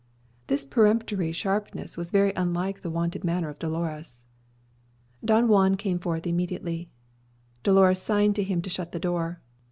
This peremptory sharpness was very unlike the wonted manner of Dolores. Don Juan came forth immediately. Dolores signed to him to shut the door.